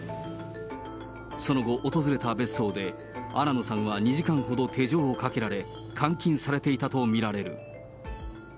その後、訪れた別荘で、新野さんは２時間ほど手錠をかけられ、監禁されていたと見られる。